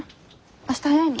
明日早いの？